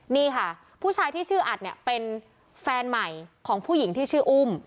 นี่ค่ะผู้ชายที่ชื่ออัดเนี่ยเป็นแฟนใหม่ของผู้หญิงที่ชื่ออุ้ม